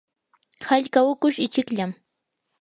hallqa hukush ichikllam.